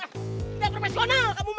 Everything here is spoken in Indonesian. enggak profesional kak buma